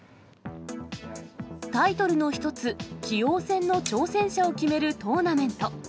タイトルの一つ、棋王戦の挑戦者を決めるトーナメント。